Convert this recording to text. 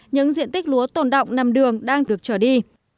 những diện tích lúa tồn động nằm đường đang được trở đi